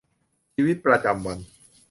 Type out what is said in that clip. ชีวิตประจำวัน